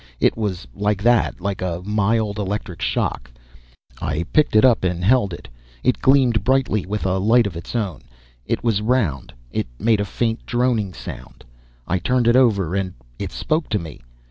It was like that, like a mild electric shock. I picked it up and held it. It gleamed brightly, with a light of its own; it was round; it made a faint droning sound; I turned it over, and it spoke to me.